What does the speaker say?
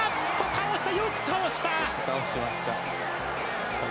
倒した、よく倒した。